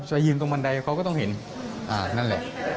จะยืนตรงบันไดเขาก็ต้องเห็นนั่นแหละ